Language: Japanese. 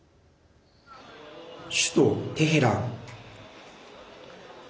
首都テヘラン。